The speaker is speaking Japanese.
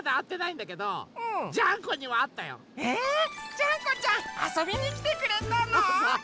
ジャンコちゃんあそびにきてくれたの？